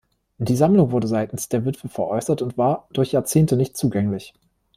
Die Sammlung wurde seitens der Witwe veräußert und war durch Jahrzehnte nicht zugänglich.